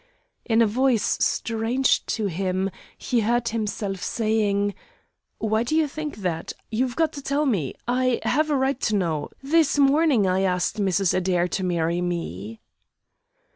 In a voice strange to him, he heard himself saying: "Why do you think that? You've got to tell me. I have a right to know. This morning I asked Mrs. Adair to marry me."